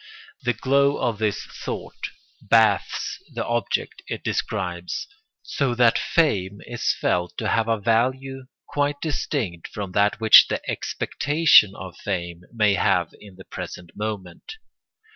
The glow of this thought bathes the object it describes, so that fame is felt to have a value quite distinct from that which the expectation of fame may have in the present moment.